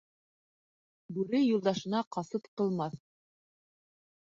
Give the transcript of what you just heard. Бүре юлдашына ҡасыд ҡылмаҫ.